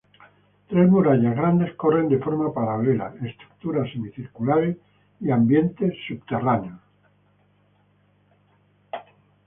Tres murallas grandes corren de forma paralela, estructuras semicirculares y ambientes subterráneos.